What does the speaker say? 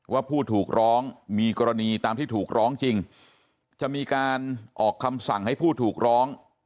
ว่าผู้ถูกร้องมีกรณีตามที่ถูกร้องจริงจะมีการออกคำสั่งให้ผู้ถูกร้อง